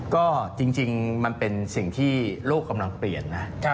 ก็จริงมันเป็นสิ่งที่โลกกำลังเปลี่ยนนะ